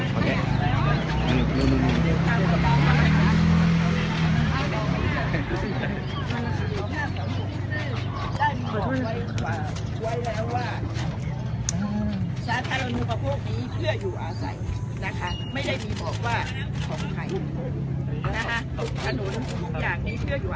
เมื่อไปในหมู่บ้านเขามีสาธารณะประโยชน์อ่าอุปโภคบริโภคระบบน้ำ